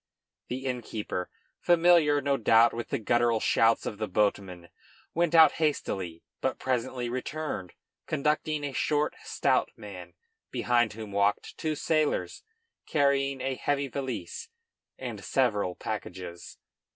The innkeeper, familiar no doubt with the guttural shouts of the boatmen, went out hastily, but presently returned conducting a short stout man, behind whom walked two sailors carrying a heavy valise and several packages.